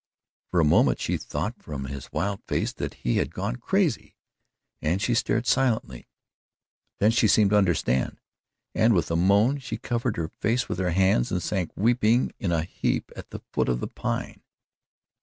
For a moment she thought from his wild face that he had gone crazy and she stared silently. Then she seemed to understand, and with a moan she covered her face with her hands and sank weeping in a heap at the foot of the Pine.